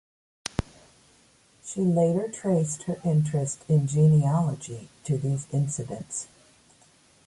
She later traced her interest in genealogy to these incidents.